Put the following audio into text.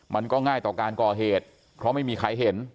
มันก็ง่ายต่อการก่อเหตุเพราะไม่มีใครเห็น